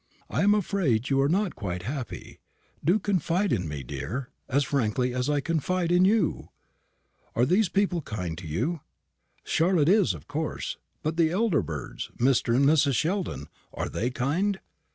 I am afraid you are not quite happy. Do confide in me, dear, as frankly as I confide in you. Are these people kind to you? Charlotte is, of course. But the elder birds, Mr. and Mrs. Sheldon, are they kind?"